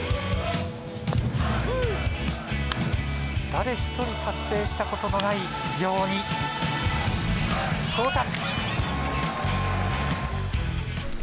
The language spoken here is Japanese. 誰１人達成したことのない偉業に到達。